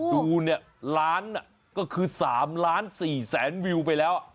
ดูเนี่ยล้านก็คือ๓ล้าน๔แสนวิวไปแล้ว